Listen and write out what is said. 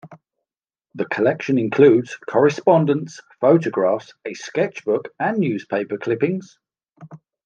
The collection includes correspondence, photographs, a sketchbook, and newspaper clippings.